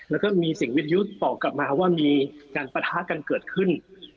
แล้วก็มีสิ่งวิทยุตอบกลับมาว่ามีการปะทะกันเกิดขึ้น